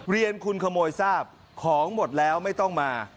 เรียนคุณขโมยทราบของหมดแล้วไม่ต้องมา